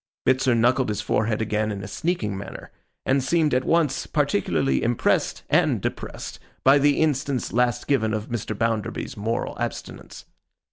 Bitzer knuckled his forehead again, in a sneaking manner, and seemed at once particularly impressed and depressed by the instance last given of Mr. Bounderby's moral abstinence.